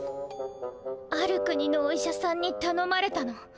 ある国のお医者さんにたのまれたの。